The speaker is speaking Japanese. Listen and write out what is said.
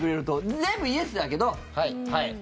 全部イエスだけど。